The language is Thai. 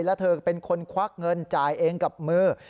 แล้วเธอเป็นคนควักเงินจ่ายเองกับมือ